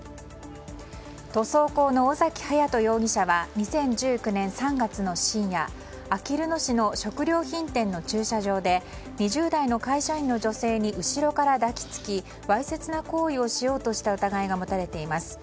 塗装工の尾崎勇人容疑者は２０１９年３月の深夜あきる野市の食料品店の駐車場で２０代の会社員の女性に後ろから抱き付きわいせつな行為をしようとした疑いが持たれています。